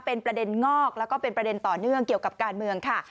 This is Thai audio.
เป็นประเด็นงอกแล้วก็เป็นประเด็นต่อเนื่องเกี่ยวกับการเมืองค่ะ